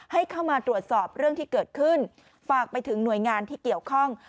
ให้เข้ามาตรวจสอบเรื่องที่เกิดขึ้นฝากไปถึงหน่วยงานที่เกี่ยวข้อง